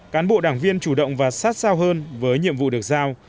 cán bộ đảng viên chủ động và sát sao hơn với nhiệm vụ được giao